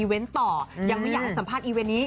อีเวนต่อยังไม่อยากสัมภาษณ์อีเวนนี้